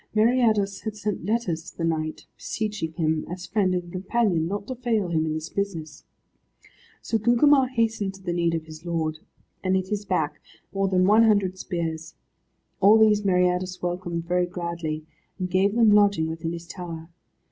Meriadus had sent letters to the knight, beseeching him, as friend and companion, not to fail him in this business. So Gugemar hastened to the need of his lord, and at his back more than one hundred spears. All these Meriadus welcomed very gladly, and gave them lodging within his tower.